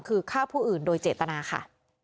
คือฆ่าผู้อื่นโดยเจตนาค่ะ